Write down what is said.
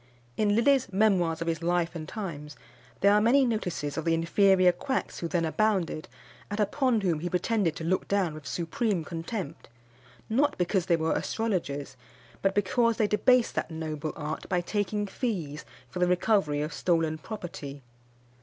[Illustration: HENRY ANDREWS, THE ORIGINAL "FRANCIS MOORE."] In Lilly's Memoirs of his Life and Times, there are many notices of the inferior quacks who then abounded, and upon whom he pretended to look down with supreme contempt; not because they were astrologers, but because they debased that noble art by taking fees for the recovery of stolen property.